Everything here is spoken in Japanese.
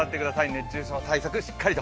熱中症対策しっかりと。